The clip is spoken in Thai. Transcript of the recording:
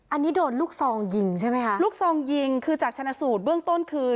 อันนี้โดนลูกซองยิงใช่ไหมคะลูกซองยิงคือจากชนะสูตรเบื้องต้นคือ